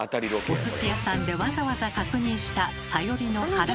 おすし屋さんでわざわざ確認したサヨリの腹黒さ。